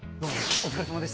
お疲れさまです。